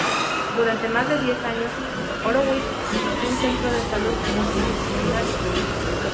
Durante más de diez años, Horowitz dirigió un centro de salud multidisciplinario.